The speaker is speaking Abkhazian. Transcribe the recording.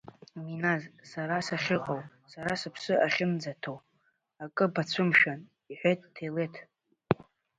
Миназ сара сахьыҟоу, сара сыԥсы ахьынӡаҭоу, акы бацәымшәан, — иҳәеит Ҭелеҭ.